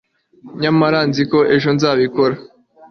nyamara nzi ko ejo nzabikora